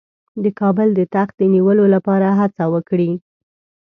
د کابل د تخت د نیولو لپاره هڅه وکړي.